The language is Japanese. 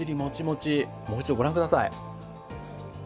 もう一度ご覧下さい。